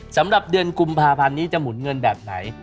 สำหรับเดือนกุมภาพันธ์นี้จะหมุนเงินแบบไหน